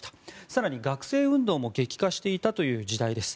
更に学生運動も激化していたという時代です。